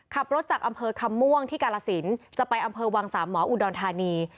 ขับรถจากอำเภอคำม่วงที่กาลสินจะไปอำเภอวังสามหมออุดรธานี